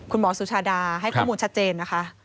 สุชาดาให้ข้อมูลชัดเจนนะคะ